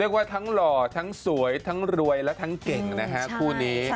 ว่าทั้งหล่อทั้งสวยทั้งรวยและทั้งเก่งนะฮะคู่นี้